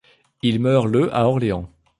Il meurt le à Orléans.